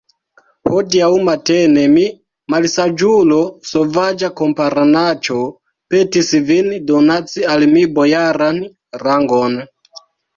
Hodiaŭ matene mi, malsaĝulo, sovaĝa kamparanaĉo, petis vin donaci al mi bojaran rangon.